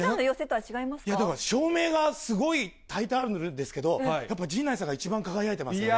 いや、でもね、照明がすごいたいてあるんですけれども、やっぱり陣内さんが一番輝いてますね。